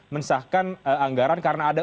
mensahkan anggaran karena ada